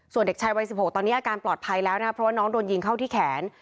ส่วนเด็กชายวัย๑๖ตอนนี้อาการปลอดภัยแล้วนะครับเพราะว่าน้องโดนยิงเข้าที่แขน